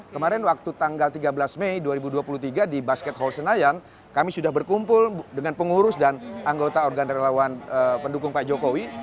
kemarin waktu tanggal tiga belas mei dua ribu dua puluh tiga di basket hall senayan kami sudah berkumpul dengan pengurus dan anggota organ relawan pendukung pak jokowi